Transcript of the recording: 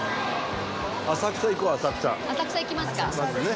浅草行きますか。